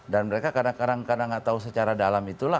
dan mereka kadang kadang tidak tahu secara dalam itulah